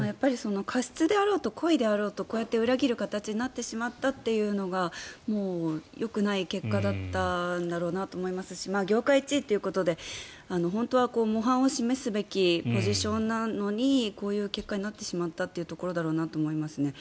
過失であろうと故意であろうと裏切る形になってしまったということがよくない結果だったんだろうなと思いますし業界１位ということで本当は模範を示すべきポジションなのにこういう結果になってしまったというところだなと思いますね。